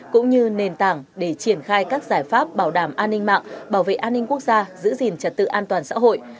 cũng như nền tảng để triển khai các giải pháp bảo đảm an ninh mạng bảo vệ an ninh quốc gia giữ gìn trật tự an toàn xã hội